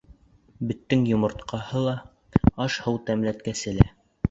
Беттең йомортҡаһы ла, аш-һыу тәмләткесе лә.